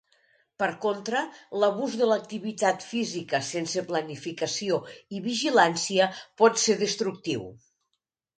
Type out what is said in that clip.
Per contra, l'abús de l'activitat física sense planificació i vigilància pot ser destructiu.